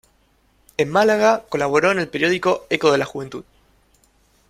En Málaga colaboró en el periódico "Eco de la Juventud".